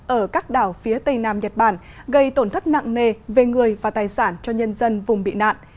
ở các đảo phía tây nam nhật bản gây tổn thất nặng nề về người và tài sản cho nhân dân vùng bị nạn